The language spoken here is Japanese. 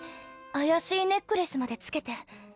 あやしいネックレスまでつけて。